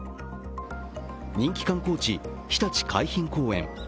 人気観光地、ひたち海浜公園。